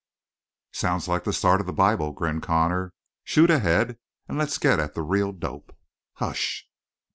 "Sounds like the start of the Bible," grinned Connor. "Shoot ahead and let's get at the real dope." "Hush!"